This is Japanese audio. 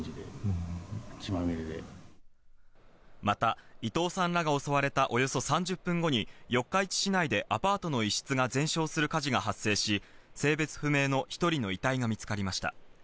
また伊藤さんらが襲われたおよそ３０分後に四日市市内でアパートの一室が全焼する火事が発生し、性別不明の１人の遺体が見つかりました。